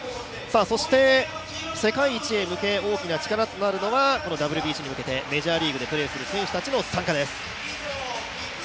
そして世界一へ向け大きな力となるのは、ＷＢＣへ向けてメジャーリーグでプレーする選手たちの参加です。